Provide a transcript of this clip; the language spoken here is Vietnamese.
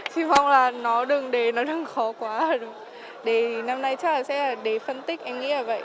chị mong là đề nó đừng khó quá đề thì năm nay chắc là sẽ là đề phân tích em nghĩ là vậy